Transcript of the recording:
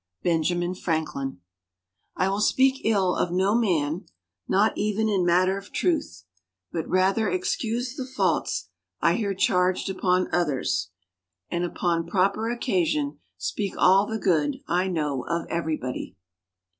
BENJAMIN FRANKLIN I will speak ill of no man, not even in matter of truth; but rather excuse the faults I hear charged upon others, and upon proper occasion speak all the good I know of everybody.